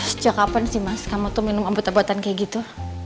sejak kapan sih mas kamu tuh minum obat obatan kayak gitu